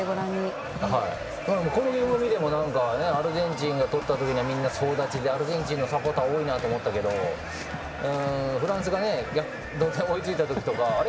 このゲームを見てもアルゼンチンが取った時はみんな総立ちでアルゼンチンのサポーター多いなって思ったけどフランスが同点に追いついた時とかあれ？